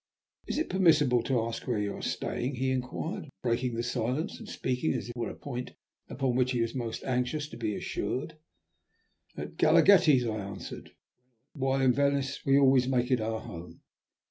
"Is it permissible to ask where you are staying?" he inquired, breaking the silence and speaking as if it were a point upon which he was most anxious to be assured. "At Galaghetti's," I answered. "While in Venice we always make it our home."